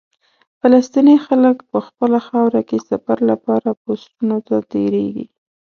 فلسطیني خلک په خپله خاوره کې سفر لپاره پوسټونو ته تېرېږي.